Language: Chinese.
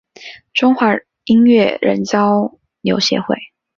中华音乐人交流协会